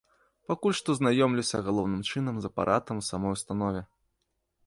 Пакуль што знаёмлюся галоўным чынам з апаратам у самой установе.